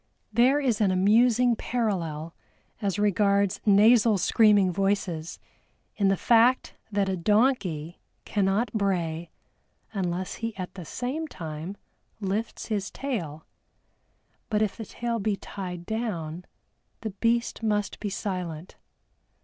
There is an amusing parallel as regards nasal screaming voices in the fact that a donkey cannot bray unless he at the same time lifts his tail but if the tail be tied down, the beast must be silent.